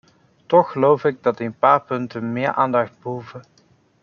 Toch geloof ik dat een paar punten meer aandacht behoeven.